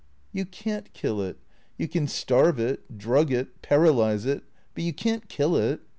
" You can't kill it. You can starve it, drug it, paralyze it, but you can't kill it.